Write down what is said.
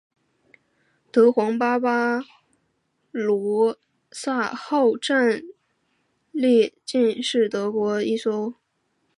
德皇巴巴罗萨号战列舰是德意志帝国的一艘德皇腓特烈三世级前无畏战列舰。